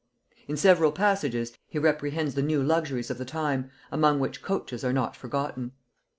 In several passages he reprehends the new luxuries of the time, among which coaches are not forgotten.